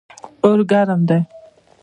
اور ګرم دی.